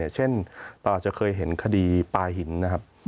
เช่นเราอาจจะเคยเห็นคดีปลาหินนะครับ